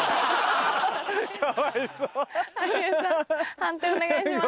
判定お願いします。